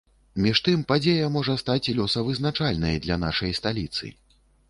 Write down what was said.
Між тым, падзея можа стаць лёсавызначальнай для нашай сталіцы.